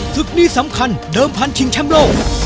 ศึกนี้สำคัญเดิมพันธิงแชมป์โลก